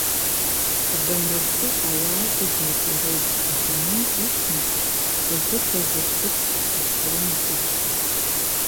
Адамраҿы ауаа зегь еиҟароуп, адунеи иқәнаҵ хазы-хазы ҭыԥк-ҭыԥк рымоуп усгьы.